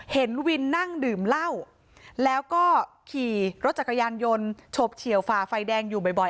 เห็นวินนั่งดื่มเหล้าแล้วก็ขี่รถจักรยานยนต์เฉบเฉียวฝ่าไฟแดงอยู่บ่อย